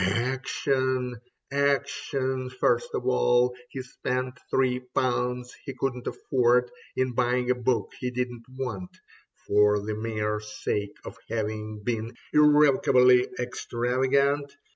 Action, action ! First of all He spent three pounds he couldn't afford In buying a book he didn't want, For the mere sake of having been Irrevocably extravagant.